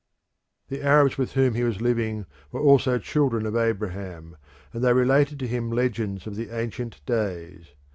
The Arabs with whom he was living were also children of Abraham, and they related to him legends of the ancient days.